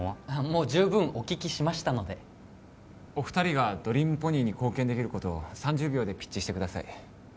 もう十分お聞きしましたのでお二人がドリームポニーに貢献できることを３０秒でピッチしてください